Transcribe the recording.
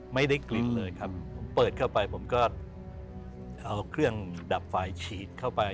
ไม่ได้กลิ่นเลยครับผมเปิดเข้าไปผมก็เอาเครื่องดับไฟฉีดเข้าไป